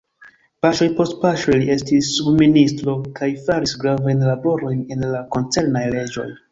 Paŝoj post paŝoj li estis subministro kaj faris gravajn laborojn en la koncernaj leĝoj.